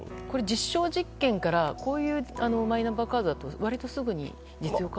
実証実験からこういうマイナンバーカードだと割とすぐに実用化は。